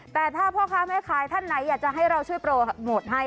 แต่ถ้าพ่อค้าแม่ขายท่านไหนอยากจะให้เราช่วยโปรโมทให้